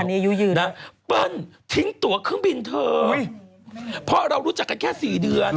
มาพันธุ์นี้ยืดนะเปิ้ลทิ้งตัวเครื่องบินเถอะพ่อเรารู้จักกันแค่๔เดือน